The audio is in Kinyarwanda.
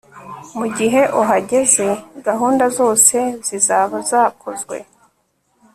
mugihe uhageze, gahunda zose zizaba zakozwe